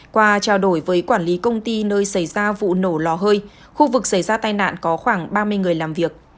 qua trao đổi với quản lý công ty nơi xảy ra vụ nổ lò hơi khu vực xảy ra tai nạn có khoảng ba mươi người làm việc